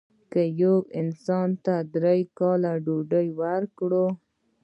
که یو انسان ته درې کاله ډوډۍ ورکړه.